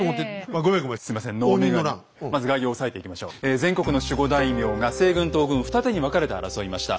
全国の守護大名が西軍東軍二手に分かれて争いました。